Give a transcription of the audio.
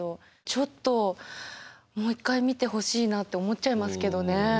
ちょっともう一回見てほしいなって思っちゃいますけどね。